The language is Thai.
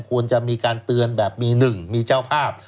ควรจะมีการเตือนแบบมี๑มีเจ้าภาพ